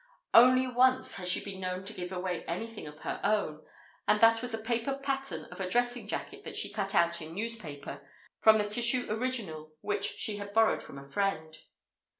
Only once has she been known to give away anything of her own, and that was a paper pattern of a dressing jacket that she cut out in newspaper from the tissue original which she had borrowed from a friend.